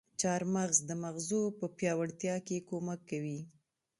چارمغز د مغزو په پياوړتيا کې کمک کوي.